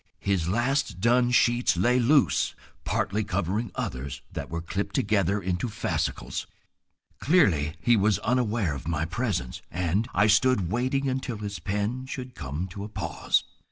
His last done sheets lay loose, partly covering others that were clipped together into fascicles. Clearly he was unaware of my presence, and I stood waiting until his pen should come to a pause.